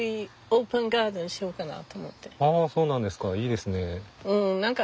ああそうなんですか。